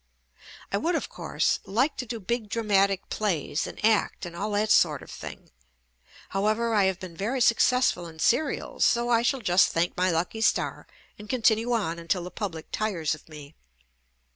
I would, of course, like to do big dramatic plays and act and all that sort of thing. However, I have been very successful in serials, so I shall just thank my lucky star and continue on until the public tires of me.